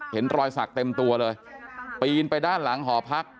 เห็นรอยสักเต็มตัวเลยปีนไปด้านหลังหอพัก